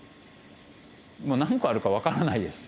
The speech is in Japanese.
もう何個あるか分からないです。